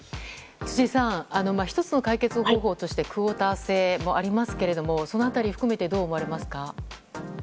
辻さん、１つの解決方法としてクオータ制もありますけどその辺りを含めてどう思われますか？